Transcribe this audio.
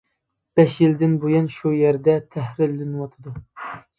بەش يىلدىن بۇيان، شۇ يەردە تەھرىرلىنىۋاتىدۇ.